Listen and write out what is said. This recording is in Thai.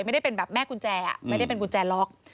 ไม่ได้เป็นแบบแม่กุญแจไม่ได้เป็นกุญแจล็อก